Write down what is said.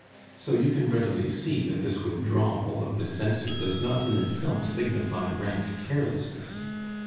So you can readily see that this withdrawal of the censor does not in itself signify rank carelessness.